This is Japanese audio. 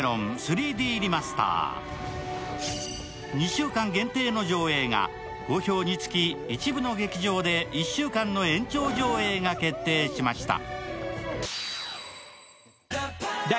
２週間限定の上映が好評につき一部の劇場で１週間の延長上映が決定しました。